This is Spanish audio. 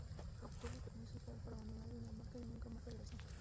Obtuvo permiso real para abandonar Dinamarca, y nunca más regresó.